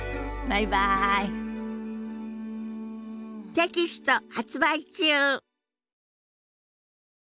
テキスト発売中。